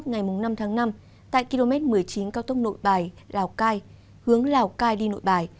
ngày năm tháng năm tại km một mươi chín cao tốc nội bài lào cai hướng lào cai đi nội bài